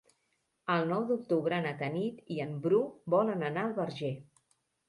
El nou d'octubre na Tanit i en Bru volen anar al Verger.